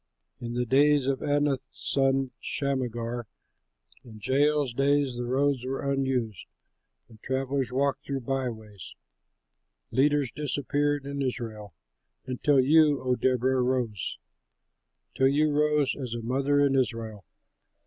"In the days of Anath's son, Shamgar, In Jael's days the roads were unused, And travellers walked through byways. Leaders disappeared in Israel, Until you, O Deborah, rose, Till you rose as a mother in Israel.